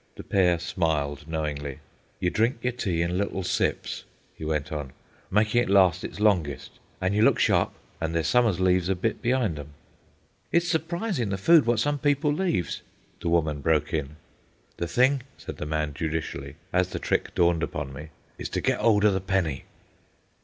The pair smiled knowingly. "You drink your tea in little sips," he went on, "making it last its longest. An' you look sharp, an' there's some as leaves a bit be'ind 'em." "It's s'prisin', the food wot some people leaves," the woman broke in. "The thing," said the man judicially, as the trick dawned upon me, "is to get 'old o' the penny."